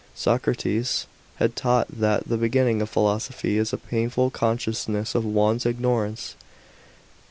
Socrates had taught that the beginning of philosophy is a painful consciousness of one's ignorance.